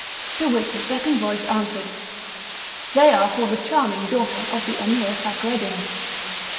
To which a second voice answered: "They are for the charming daughter of the Emir Fakreddin."